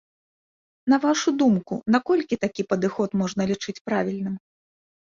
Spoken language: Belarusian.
На вашую думку, наколькі такі падыход можна лічыць правільным?